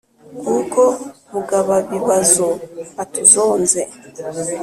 Kuko Mugababibazo atuzonze